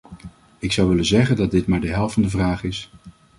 Ik zou willen zeggen dat dit maar de helft van de vraag is.